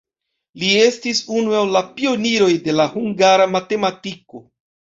Li estis unu el la pioniroj de la hungara matematiko.